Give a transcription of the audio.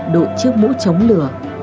đội chiếc mũ chống lửa